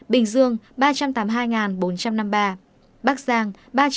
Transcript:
bình dương ba trăm tám mươi hai bốn trăm năm mươi ba bắc giang ba trăm bảy mươi tám chín trăm bốn mươi ba